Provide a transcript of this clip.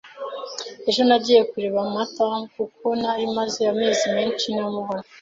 Ejo, nagiye kureba Martha kuko ntari maze amezi menshi ntamubona.